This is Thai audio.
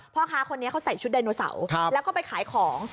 พ่อค้าคนนี้เขาใส่ชุดไดโนเสาร์แล้วก็ไปขายของ